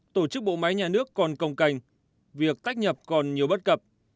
tổ chức bộ máy nhà nước còn công cành việc tách nhập còn nhiều bất cập